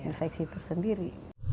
jadi infeksi tersendiri